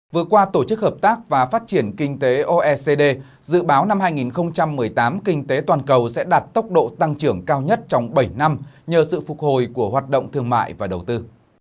vừa qua tổ chức hợp tác và phát triển kinh tế oecd dự báo năm hai nghìn một mươi tám kinh tế toàn cầu sẽ đạt tốc độ tăng trưởng cao nhất trong bảy năm nhờ sự phục hồi của hoạt động thương mại và đầu tư